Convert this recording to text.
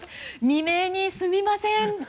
未明にすみません。